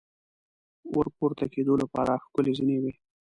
ور پورته کېدو لپاره ښکلې زینې وې.